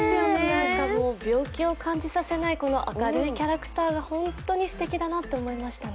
なんかもう病気を感じさせない明るいキャラクターが本当にすてきだなと思いましたね。